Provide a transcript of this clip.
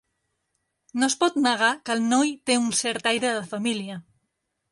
No es pot negar que el noi té un cert aire de família.